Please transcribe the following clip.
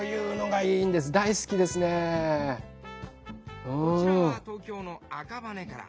こちらは東京の赤羽から。